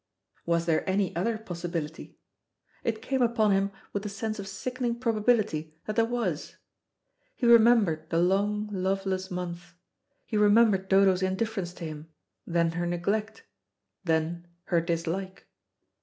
Was there any other possibility? It came upon him with a sense of sickening probability that there was. He remembered the long loveless months; he remembered Dodo's indifference to him, then her neglect, then her dislike.